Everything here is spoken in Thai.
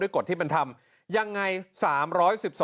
ด้วยกฎที่มันทำยังไง